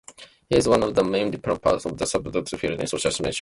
He is one of the main developers of the sub-field of social semiotics.